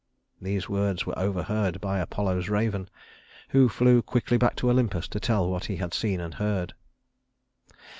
These words were overheard by Apollo's raven, who flew quickly back to Olympus to tell what he had seen and heard.